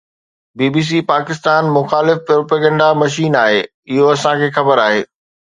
بي B C Pakistan مخالف propaganda machine آهي. اهو اسان کي خبر آهي